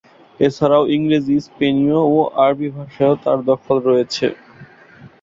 এছাড়াও, ইংরেজি, স্পেনীয় ও আরবী ভাষায়ও তার দখল রয়েছে।